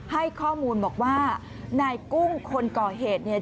ให้ข้อมูลบอกว่านายกุ้งคนก่อเหตุเนี่ย